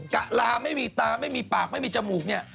กะลาไม่มีตาไม่มีปากไม่มีจมูกเนี่ย